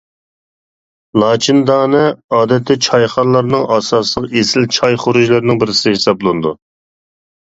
لاچىندانە ئادەتتە چايخانىلارنىڭ ئاساسلىق ئېسىل چاي خۇرۇچلىرىنىڭ بىرسى ھېسابلىنىدۇ.